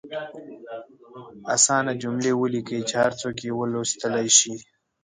اسانه جملې ولیکئ چې هر څوک یې ولوستلئ شي.